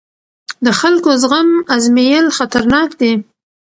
د خلکو زغم ازمېیل خطرناک دی